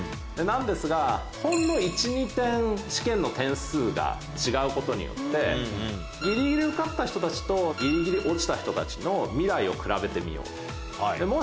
なんですがほんの１２点試験の点数が違うことによってギリギリ受かった人たちとギリギリ落ちた人たちの未来を比べてみようと。